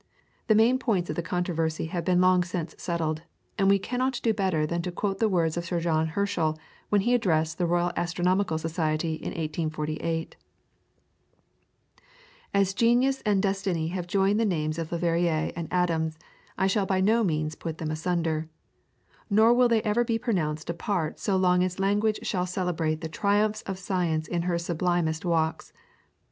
The main points of the controversy have been long since settled, and we cannot do better than quote the words of Sir John Herschel when he addressed the Royal Astronomical Society in 1848: "As genius and destiny have joined the names of Le Verrier and Adams, I shall by no means put them asunder; nor will they ever be pronounced apart so long as language shall celebrate the triumphs of science in her sublimest walks.